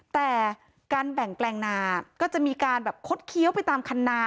แต่การแบ่งแปลงนาก็จะมีการแบบคดเคี้ยวไปตามคันนา